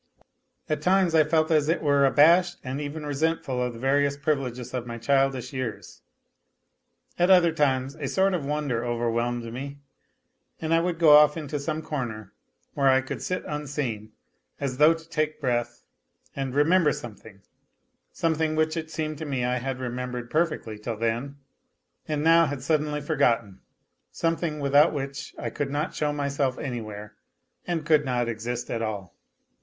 At times I felt as it were abashed, and even resentful of the various privileges of my childish years. At other times a sort of wonder overwhelmed me, and I would go off into some corner where I could sit unseen, as though to take breath and remember something something which it seemed to me I had remembered perfectly till then, and now had suddenly forgotten, something without which I could not show myself anywhere, and could not exist at all.